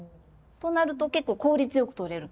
となると結構効率よくとれる。